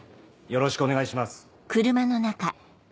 よろしくお願いします。